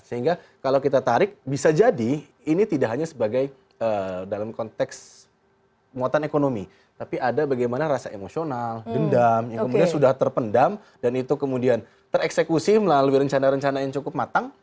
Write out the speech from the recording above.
sehingga kalau kita tarik bisa jadi ini tidak hanya sebagai dalam konteks muatan ekonomi tapi ada bagaimana rasa emosional dendam yang kemudian sudah terpendam dan itu kemudian tereksekusi melalui rencana rencana yang cukup matang